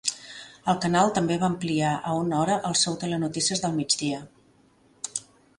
El canal també va ampliar a una hora el seu telenotícies del migdia.